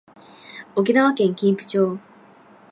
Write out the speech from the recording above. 沖縄県金武町